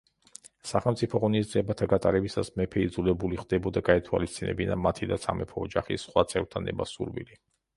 სახელმწიფო ღონისძიებათა გატარებისას მეფე იძულებული ხდებოდა გაეთვალისწინებინა მათი და სამეფო ოჯახის სხვა წევრთა ნება-სურვილი.